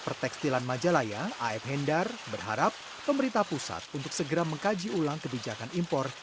pertekstilan majalaya af hendar berharap pemerintah pusat untuk segera mengkaji ulang kebijakan impor